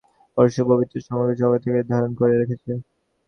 এইরূপ অল্প কয়েকজন পরমহংসের পবিত্রতাই সমগ্র জগৎটাকে ধারণ করে রেখেছে।